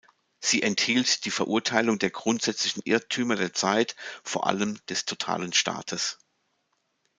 Sie enthielt die Verurteilung der grundsätzlichen Irrtümer der Zeit, vor allem des totalen Staates.